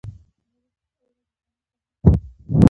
اوړي د افغان ځوانانو لپاره دلچسپي لري.